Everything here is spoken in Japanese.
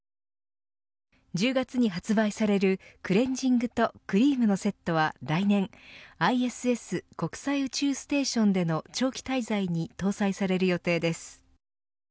１０月に発売されるクレンジングとクリームのセットは来年、ＩＳＳ＝国際宇宙ステーションでの長期滞在に搭載される予定です。